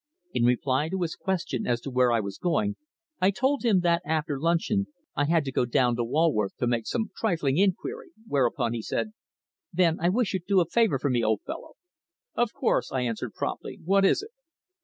In reply to his question as to where I was going, I told him that after luncheon I had to go down to Walworth to make some trifling inquiry, whereupon he said "Then I wish you'd do a favour for me, old fellow." "Of course," I answered promptly. "What is it?"